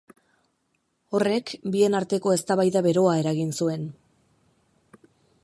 Horrek bien arteko eztabaida beroa eragin zuen.